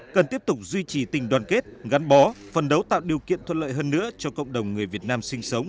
cần tiếp tục duy trì tình đoàn kết gắn bó phân đấu tạo điều kiện thuận lợi hơn nữa cho cộng đồng người việt nam sinh sống